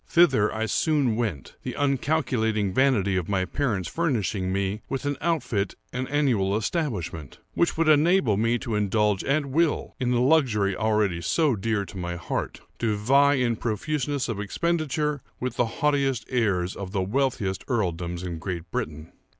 Thither I soon went; the uncalculating vanity of my parents furnishing me with an outfit and annual establishment, which would enable me to indulge at will in the luxury already so dear to my heart,—to vie in profuseness of expenditure with the haughtiest heirs of the wealthiest earldoms in Great Britain.